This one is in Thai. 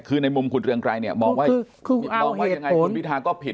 คือในมุมคุณเรืองไกรเนี่ยมองว่ามองว่ายังไงคุณพิทาก็ผิด